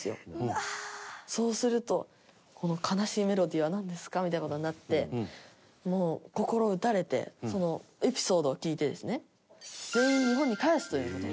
桂三君：そうすると「この悲しいメロディーはなんですか」みたいな事になってもう心打たれてそのエピソードを聞いてですね全員、日本に帰すという。